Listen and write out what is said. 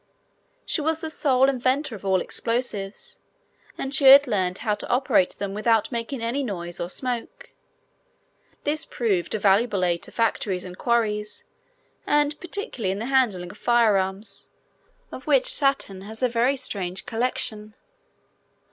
She was the sole inventor of all explosives, and she had learned how to operate them without making any noise or smoke. This proved a valuable aid to factories and quarries, and particularly in the handling of fire arms, of which Saturn has a very strange collection.